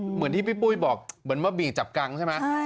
เหมือนที่พี่ปุ้ยบอกเหมือนว่าบีจับกังใช่ไหม